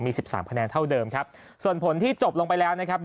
มี๑๓คะแนนเท่าเดิมครับส่วนผลที่จบลงไปแล้วนะครับ